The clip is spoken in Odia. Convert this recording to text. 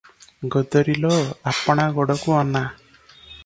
ଗୋଦରୀ ଲୋ ଆପଣା ଗୋଡ଼କୁ ଅନା ।